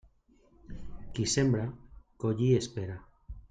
Qui sembra, collir espera.